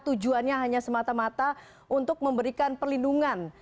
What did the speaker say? tujuannya hanya semata mata untuk memberikan perlindungan